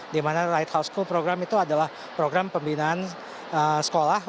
dimana lighthouse school program itu adalah program pembinaan sekolah